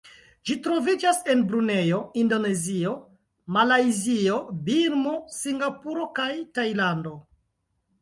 Ĝi troviĝas en Brunejo, Indonezio, Malajzio, Birmo, Singapuro, kaj Tajlando.